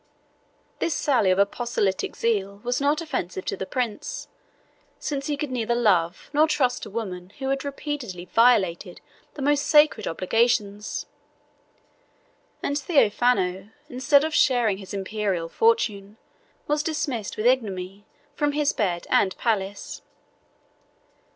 This sally of apostolic zeal was not offensive to the prince, since he could neither love nor trust a woman who had repeatedly violated the most sacred obligations; and Theophano, instead of sharing his imperial fortune, was dismissed with ignominy from his bed and palace.